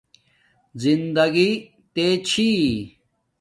زندگݵ تے چھی